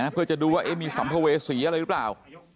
เพื่อจะดูว่ามีสัมภเวษีอะไรหรือเปล่า